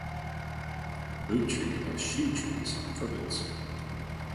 Boot trees are shoe trees for boots.